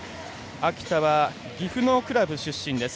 秋田は岐阜のクラブ出身です。